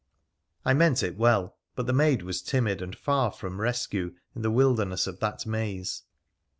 I meant it well, but the maid was timid, and far from rescue in the wilderness of that maze.